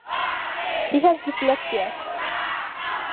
He has dyslexia.